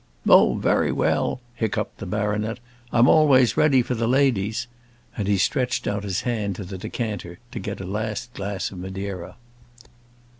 "Oh, very well," hiccupped the baronet, "I'm always ready for the ladies," and he stretched out his hand to the decanter to get a last glass of Madeira.